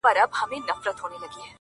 دکرنتین درخصتی څخه په استفاده،